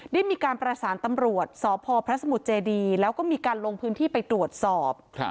ได้มีการประสานตำรวจสพพระสมุทรเจดีแล้วก็มีการลงพื้นที่ไปตรวจสอบ